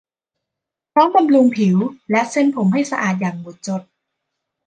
พร้อมบำรุงผิวและเส้นผมให้สะอาดอย่างหมดจด